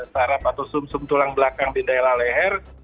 sarap atau sum sum tulang belakang di daerah leher